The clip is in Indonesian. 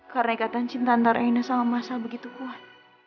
karena ikatan cinta antara rena sama masa begitu kuat